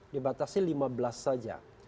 dibatasi lima belas saja